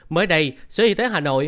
mới đây sở y tế hà nội